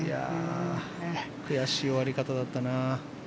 悔しい終わり方だったな。